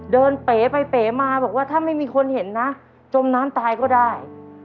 เป๋ไปเป๋มาบอกว่าถ้าไม่มีคนเห็นนะจมน้ำตายก็ได้